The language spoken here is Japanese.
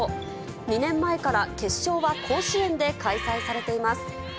２年前から決勝は甲子園で開催されています。